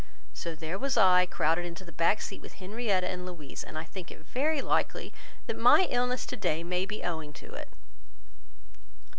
So, there was I, crowded into the back seat with Henrietta and Louisa; and I think it very likely that my illness to day may be owing to it."